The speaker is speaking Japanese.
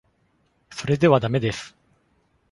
それではだめです。